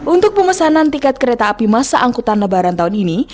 untuk pemesanan tiket kereta api masa angkutan lebaran tahun ini